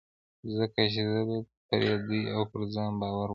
ځکه چې زه به پر دوی او پر ځان باور ولرم.